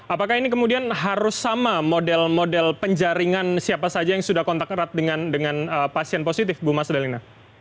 apakah ini kemudian harus sama model model penjaringan siapa saja yang sudah kontak erat dengan pasien positif bu mas dalina